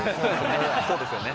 そうですよね